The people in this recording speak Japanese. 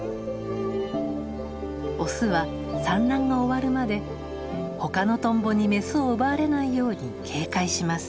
オスは産卵が終わるまで他のトンボにメスを奪われないように警戒します。